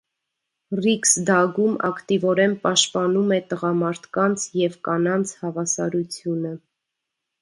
Ռիքսդագում ակտիվորեն պաշտպանում է տղամարդկանց և կանանց հավասարությունը։